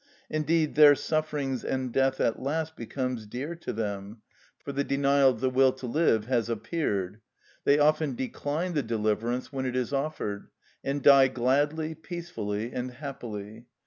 Indeed, their sufferings and death at last becomes dear to them, for the denial of the will to live has appeared; they often decline the deliverance when it is offered, and die gladly, peacefully, and happily.